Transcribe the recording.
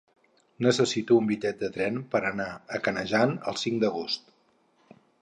Necessito un bitllet de tren per anar a Canejan el cinc d'agost.